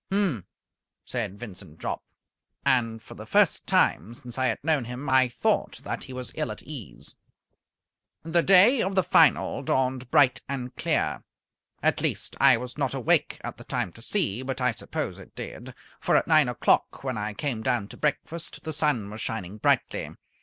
"H'm!" said Vincent Jopp. And for the first time since I had known him I thought that he was ill at ease. The day of the final dawned bright and clear. At least, I was not awake at the time to see, but I suppose it did; for at nine o'clock, when I came down to breakfast, the sun was shining brightly.